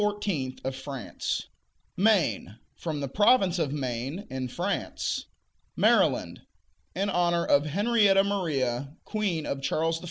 of France. Maine From the province of Maine, in France. Maryland In honor of Henrietta Maria, queen of Charles I.